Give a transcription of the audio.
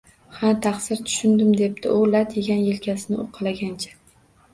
– Ha, taqsir, tushundim, – debdi u lat yegan yelkasini uqalagancha